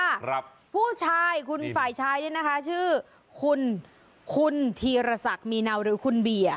ครับผู้ชายคุณฝ่ายชายเนี้ยนะคะชื่อคุณคุณธีรศักดิ์มีเนาหรือคุณเบียร์